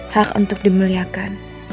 hak untuk dimuliakan